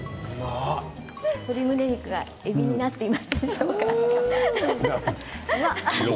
鶏むね肉がえびになっていますでしょうか。